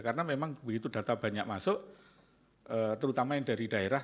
karena memang begitu data banyak masuk terutama yang dari daerah